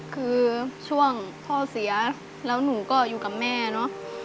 คือช่วงพ่อเสียแล้วหนูก็อยู่กับแม่เนอะ